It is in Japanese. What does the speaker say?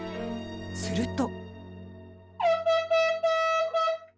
すると